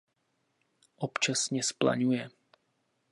Občasně zplaňuje.